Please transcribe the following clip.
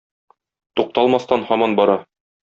Тукталмастан һаман бара.